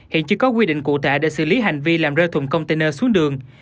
hiện chưa có quy định cụ thể để xử lý hành vi làm rơi thùng container xuống đường